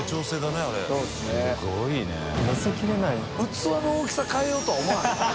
器の大きさ変えようとは思わへんのかな？